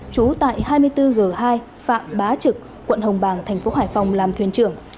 trú tại hai mươi bốn g hai phạm bá trực quận hồng bàng thành phố hải phòng làm thuyền trưởng